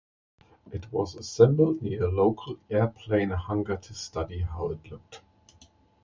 It was assembled near a local airplane hangar to study how it looked.